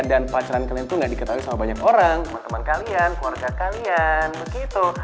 pacaran kalian itu gak diketahui sama banyak orang teman teman kalian keluarga kalian begitu